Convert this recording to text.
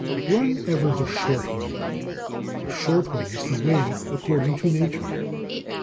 51. Run ever the short way. The short way is the way according to Nature.